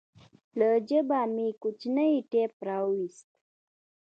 له جيبه يې کوچنى ټېپ راوايست.